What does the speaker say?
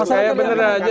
masyarakat yang menilai